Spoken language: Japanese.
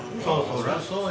そりゃそうや。